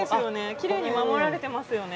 きれいに守られてますよね。